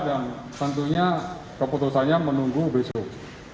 dan tentunya keputusannya menunggu besok